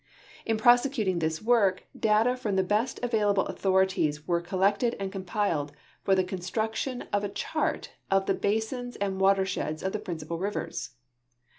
In prosecuting this work, data from the l>est available authorities were collected and comjhled for the construction of a chart of the basins and watersheds of the principal rivers.